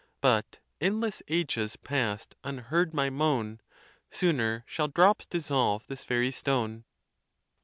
But endless ages past unheard my moan, Sooner shall drops dissolve this very stone.?